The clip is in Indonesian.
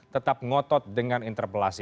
tetap ngotot dengan interpelasi